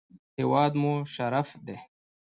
هېواد مو شرف دی